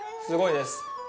すごいです。